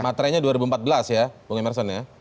materainya dua ribu empat belas ya bung emerson ya